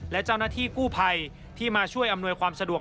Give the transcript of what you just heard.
และเจ้าหน้าที่กู้ภัยที่มาช่วยอำนวยความสะดวก